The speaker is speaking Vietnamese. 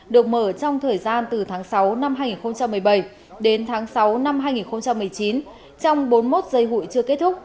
được mở trong thời gian từ tháng sáu năm hai nghìn một mươi bảy đến tháng sáu năm hai nghìn một mươi chín trong bốn mươi một giây hụi chưa kết thúc